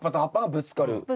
ぶつかる。